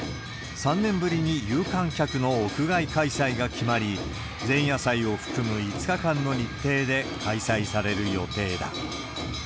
３年ぶりに有観客の屋外開催が決まり、前夜祭を含む５日間の日程で開催される予定だ。